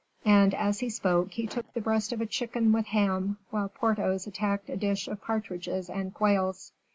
And as he spoke, he took the breast of a chicken with ham, while Porthos attacked a dish of partridges and quails.